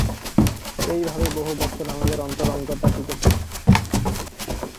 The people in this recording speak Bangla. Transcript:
এইভাবে বহু বছর আমাদের অন্তরঙ্গতা টিকে ছিল।